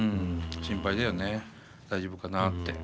心配だよね大丈夫かなって。